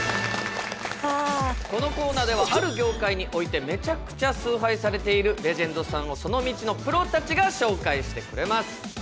このコーナーでは、ある業界において、めちゃくちゃ崇拝されているレジェンドさんを、その道のプロたちが紹介してくれます。